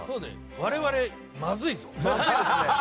我々まずいぞ。